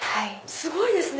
すごいですね！